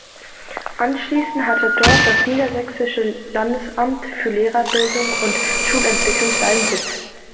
Anschließend hat dort das Niedersächsische Landesamt für Lehrerbildung und Schulentwicklung seinen Sitz.